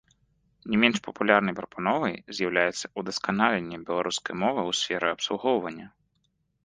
Не менш папулярнай прапановай з'яўляецца ўдасканаленне беларускай мовы ў сферы абслугоўвання.